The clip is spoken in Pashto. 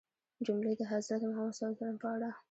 جملې د حضرت محمد ﷺ په اړه